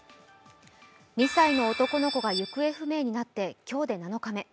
２歳の男の子が行方不明になって今日で７日目。